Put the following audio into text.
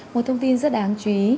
một thông tin rất đáng chú ý